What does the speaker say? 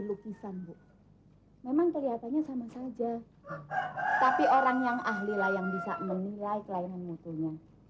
lukisan bu memang kelihatannya sama saja tapi orang yang ahli lah yang bisa menilai kelainan mutunya